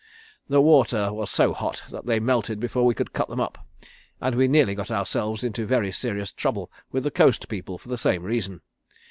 The water was so hot that they melted before we could cut them up, and we nearly got ourselves into very serious trouble with the coast people for that same reason.